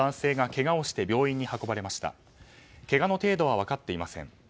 けがの程度は分かっていません。